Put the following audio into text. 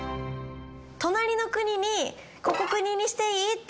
隣の国にここ国にしていい？って聞く。